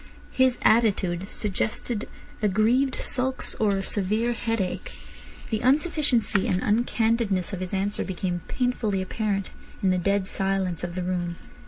His attitude suggested aggrieved sulks or a severe headache. The unsufficiency and uncandidness of his answer became painfully apparent in the dead silence of the room.